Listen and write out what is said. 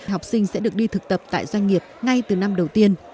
học sinh sẽ được đi thực tập tại doanh nghiệp ngay từ năm đầu tiên